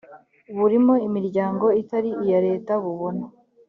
burimo imiryango itari iya leta bubona